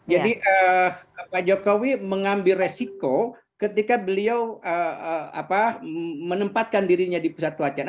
jadi pak jokowi mengambil resiko ketika beliau menempatkan dirinya di pusat wacana